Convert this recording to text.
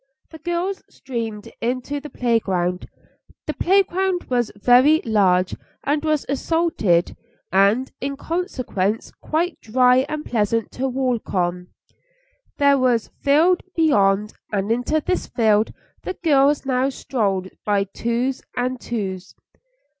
The girls streamed into the playground. The playground was very large, and was asphalted, and in consequence quite dry and pleasant to walk on. There was a field just beyond, and into this field the girls now strolled by twos and twos.